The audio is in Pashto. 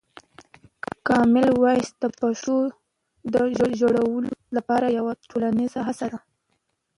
کامن وایس د پښتو د ژغورلو لپاره یوه ټولنیزه هڅه ده.